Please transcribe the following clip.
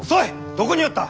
どこにおった！